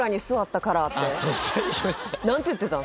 何て言ってたん？